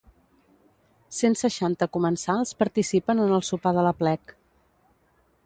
Cent seixanta comensals participen en el sopar de l’aplec.